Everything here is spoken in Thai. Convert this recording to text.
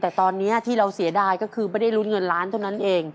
แต่ตอนนี้ที่เราเสียดายก็คือไม่ได้ลุ้นเงินล้านเท่านั้นเอง